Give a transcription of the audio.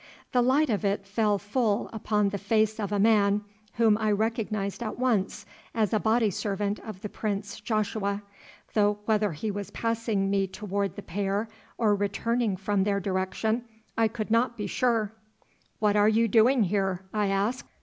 The light of it fell full upon the face of a man whom I recognized at once as a body servant of the prince Joshua, though whether he was passing me toward the pair or returning from their direction I could not be sure. "What are you doing here?" I asked.